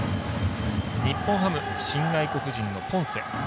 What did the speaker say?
日本ハム、新外国人のポンセ。